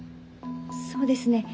そうですね